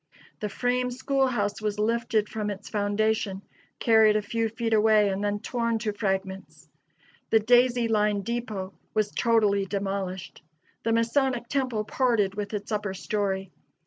The frame school house was lifted from its foundation, carried a few feet away, and then torn to fragments. The Daisy Line depot was totally demolished. The Masonic Temple parted with its upper story.